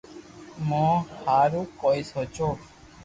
مون ھارو ڪوئي سوچو